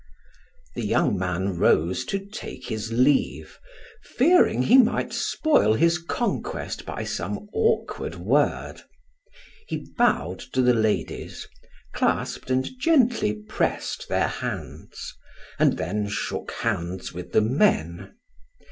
The young man rose to take his leave, fearing he might spoil his conquest by some awkward word. He bowed to the ladies, clasped and gently pressed their hands, and then shook hands with the men.